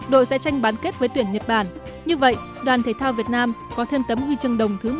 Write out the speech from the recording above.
đội sẽ tranh bán kết với tuyển nhật bản như vậy đoàn thể thao việt nam có thêm tấm huy chương đồng thứ một mươi